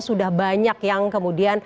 sudah banyak yang kemudian